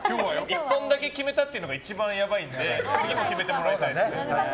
１本だけ決めたっていうのが一番やばいので２本決めてもらいたいです。